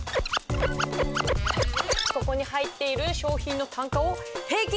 ここに入っている商品の単価を平均します。